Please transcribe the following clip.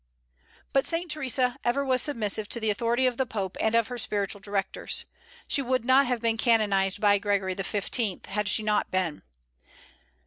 But Saint Theresa ever was submissive to the authority of the Pope and of her spiritual directors. She would not have been canonized by Gregory XV. had she not been.